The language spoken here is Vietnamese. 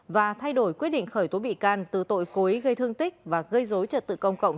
và thay đổi quyết định khởi tố bị can từ tội cố ý gây thương tích và gây dối trật tự công cộng